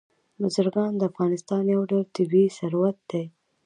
بزګان د افغانستان یو ډول طبعي ثروت دی.